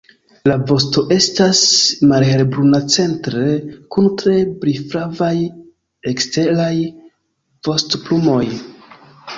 La vosto estas malhelbruna centre kun tre brilflavaj eksteraj vostoplumoj.